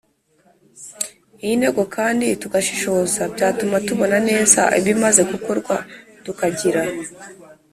iyi ntego kandi tugashishoza, byatuma tubona neza ibimaze gukorwa, tukagira